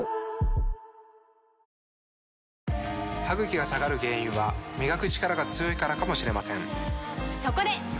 歯ぐきが下がる原因は磨くチカラが強いからかもしれませんそこで！